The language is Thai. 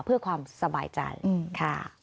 เพื่อความสบายจันทร์ค่ะ